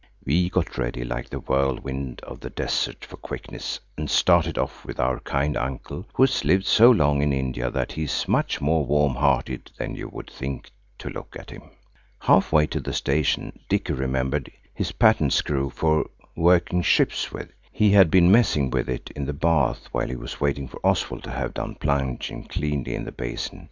We got ready like the whirlwind of the desert for quickness, and started off with our kind uncle, who has lived so long in India that he is much more warm hearted than you would think to look at him. Half way to the station Dicky remembered his patent screw for working ships with. He had been messing with it in the bath while he was waiting for Oswald to have done plunging cleanly in the basin.